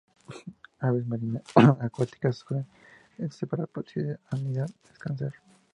Aves marinas y acuáticas escogen este sitio para reproducirse, anidar, descansar.